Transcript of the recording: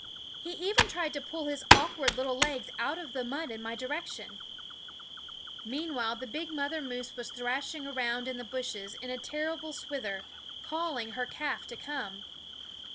He even tried to pull his awkward little legs out of the mud in my direction. Meanwhile the big mother moose was thrashing around in the bushes in a ter rible s wither, calling her calf to come.